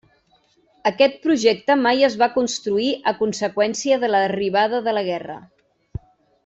Aquest projecte mai es va construir a conseqüència de l'arribada de la guerra.